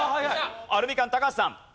アルミカン高橋さん。